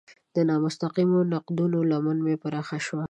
د نامستقیمو نقدونو لمن هم پراخه شوه.